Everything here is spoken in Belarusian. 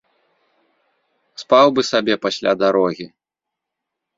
Спаў бы сабе пасля дарогі.